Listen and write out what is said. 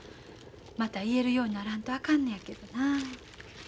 また言えるようにならんとあかんのやけどなあ。